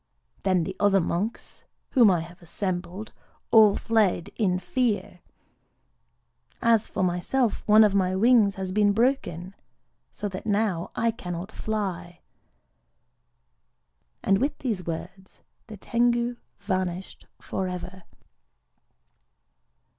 _' Then the other monks, whom I had assembled, all fled in fear. As for myself, one of my wings has been broken,—so that now I cannot fly." And with these words the Tengu vanished forever.